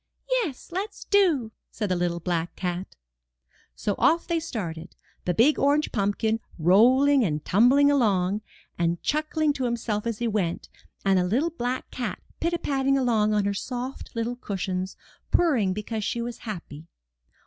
'*Yes, let's do," said the little black cat. So off they started — the big orange pumpkin roll ing and tumbling along, and chuckling to himself as he went, and the little black cat pitpatting along on her soft little cushions, purring because she was happy.